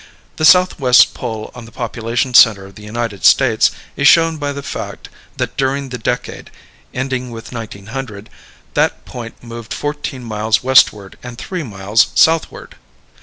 The Southwest's pull on the population center of the United States is shown by the fact that during the decade ending with 1900 that point moved fourteen miles westward and three miles southward.